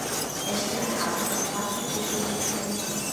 Esta garrafa tem quatro tipos de rum lá.